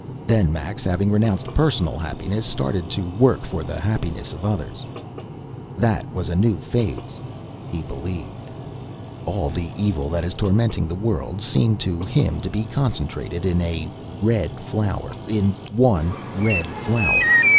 Then Max, having renounced personal happiness, started to work for the happiness of others. That was a new phase he believed. All the evil that is tormenting the world seemed to him to be concentrated in a "red flower," in one red flower.